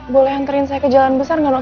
boleh hantarin saya ke jalan besar gak nop